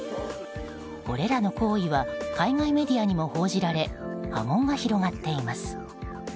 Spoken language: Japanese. これらの行為は海外メディアにも報じられ波紋が広がっています。